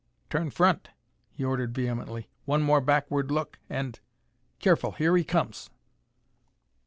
"Turn front," he ordered vehemently. "One more backward look and Careful! Here he comes!"